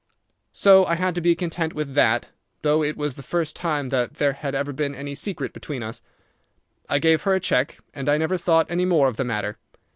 "So I had to be content with that, though it was the first time that there had ever been any secret between us. I gave her a check, and I never thought any more of the matter.